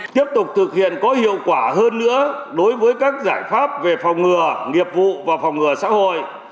tiếp tục thực hiện có hiệu quả hơn nữa đối với các giải pháp về phòng ngừa nghiệp vụ và phòng ngừa xã hội